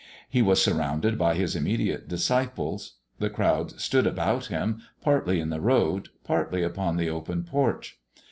He was surrounded by His immediate disciples. The crowd stood about Him, partly in the road, partly upon the open porch.